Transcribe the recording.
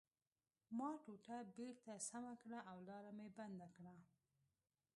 ما ټوټه بېرته سمه کړه او لاره مې بنده کړه